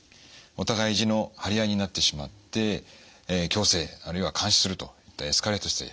お互い意地の張り合いになってしまって強制あるいは監視するとエスカレートして。